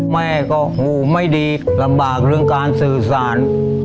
แม่ก็หูไม่ดีลำบากเรื่องการสื่อสาร